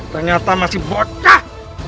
ternyata masih bocah